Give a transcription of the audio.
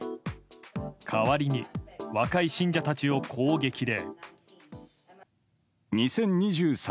代わりに若い信者たちをこう激励。